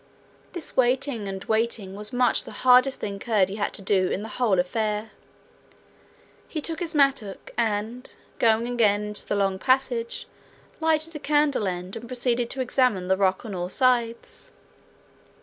This waiting and waiting was much the hardest thing Curdie had to do in the whole affair. He took his mattock and, going again into the long passage, lighted a candle end and proceeded to examine the rock on all sides.